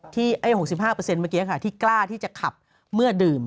๖๕เมื่อกี้ค่ะที่กล้าที่จะขับเมื่อดื่ม